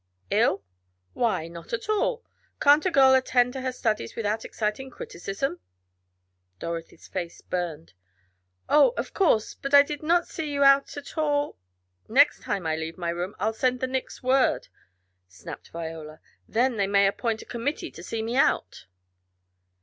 "111? Why not at all. Can't a girl attend to her studies without exciting criticism?" Dorothy's face burned. "Oh, of course. But I did not see you out at all " "Next time I leave my room I'll send the Nicks word," snapped Viola. "Then they may appoint a committee to see me out!"